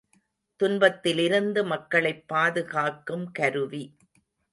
துன்பத்திலிருந்து மக்களைப் பாதுகாக்கும் கருவி.